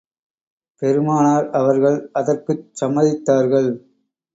பெருமானார் அவர்கள் அதற்குச் சம்மதித்தார்கள்.